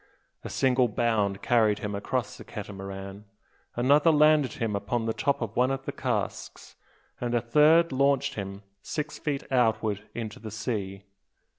A single bound carried him across the Catamaran, another landed him upon the top of one of the casks, and a third launched him six feet outward into the sea.